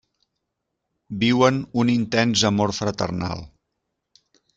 Viuen un intens amor fraternal.